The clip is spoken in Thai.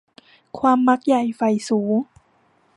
ความมักใหญ่ใฝ่สูง